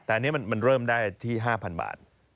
แต่อันนี้มันเริ่มได้ที่๕๐๐บาท